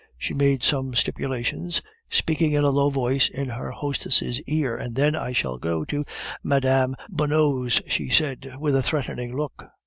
She made some stipulations, speaking in a low voice in her hostess' ear, and then "I shall go to Mme. Buneaud's," she said, with a threatening look.